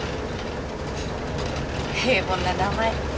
フッ平凡な名前。